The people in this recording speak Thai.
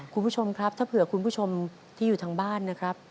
คุณผู้ชมครับถ้าเผื่อคุณผู้ชมที่อยู่ทางบ้านนะครับ